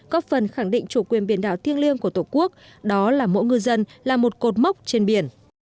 có phần khẳng định chủ quyền biển đảo thiêng liêng của tổ quốc đó là mỗi ngư dân là một cột mốc trên biển